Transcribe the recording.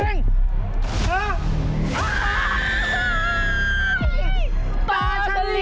ไอ้หมา